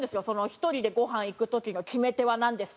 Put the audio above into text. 「１人でごはん行く時の決め手はなんですか？」